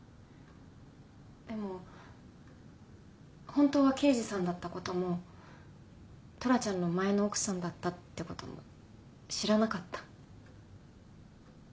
でも本当は刑事さんだった事もトラちゃんの前の奥さんだったって事も知らなかった。